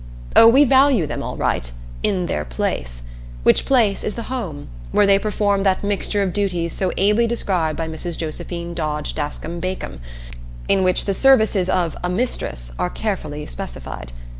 Oh, we value them, all right, "in their place," which place is the home, where they perform that mixture of duties so ably described by Mrs. Josephine Dodge Daskam Bacon, in which the services of "a mistress" are carefully specified.